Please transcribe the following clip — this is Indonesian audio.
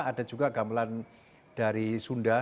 ada juga gamelan dari sunda